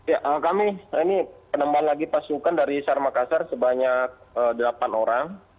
ya kami ini penambahan lagi pasukan dari sar makassar sebanyak delapan orang